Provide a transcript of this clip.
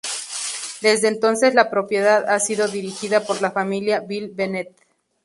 Desde entonces, la propiedad ha sido dirigida por la Familia "Bill Bennett".